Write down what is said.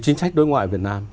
chính sách đối ngoại việt nam